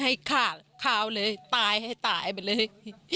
ให้ฆ่าข้าวเลยตายให้ตายไปเลย